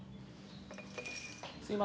すいません。